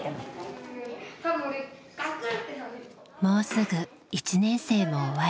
もうすぐ１年生も終わり。